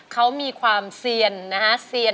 เขามีความเซียนนะฮะเซียน